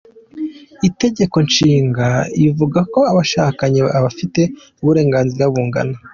Itegeko Nshinga ivuga ko abashakanye abafite uburenganzira bungana.